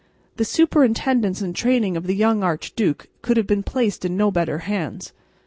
The superintendence and training of the young archduke could have been placed in no better hands.